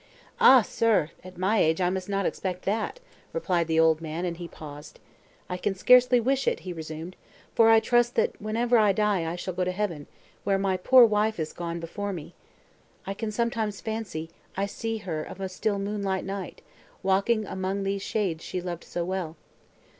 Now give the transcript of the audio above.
"Ah, sir! at my age I must not expect that!" replied the old man, and he paused: "I can scarcely wish it," he resumed, "for I trust that whenever I die I shall go to heaven, where my poor wife is gone before me. I can sometimes almost fancy I see her of a still moonlight night, walking among these shades she loved so well.